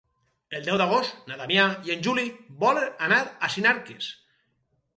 El deu d'agost na Damià i en Juli volen anar a Sinarques.